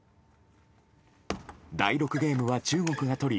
第６ゲームは中国が取り